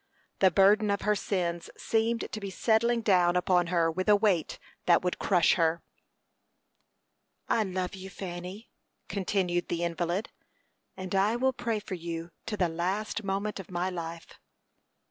The burden of her sins seemed to be settling down upon her with a weight that would crush her. "I love you, Fanny," continued the invalid, "and I will pray for you to the last moment of my life.